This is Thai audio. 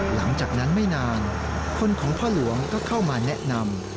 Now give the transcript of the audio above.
หลังจากนั้นไม่นานคนของพ่อหลวงก็เข้ามาแนะนำ